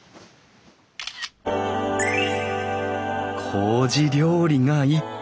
こうじ料理がいっぱい！